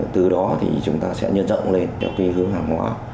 từ đó thì chúng ta sẽ nhân rộng lên theo cái hướng hàng hóa